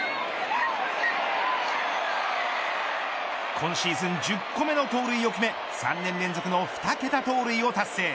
今シーズン１０個目の盗塁を決め３年連続の２桁盗塁を達成。